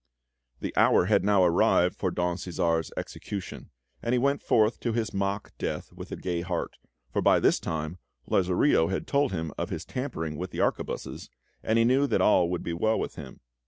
The hour had now arrived for Don Cæsar's execution, and he went forth to his mock death with a gay heart, for by this time Lazarillo had told him of his tampering with the arquebuses, and he knew that all would be well with him.